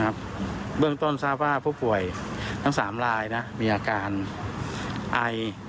เบื้องต้นทราบว่าผู้ป่วยทั้ง๓ลายมีอาการไอ